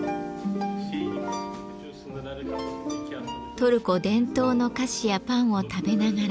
トルコ伝統の菓子やパンを食べながら。